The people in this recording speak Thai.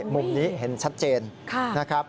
มุมนี้เห็นชัดเจน